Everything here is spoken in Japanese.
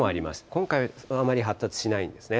今回はあまり発達しないんですね。